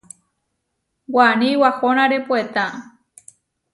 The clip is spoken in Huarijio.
Waní wahónare puetá.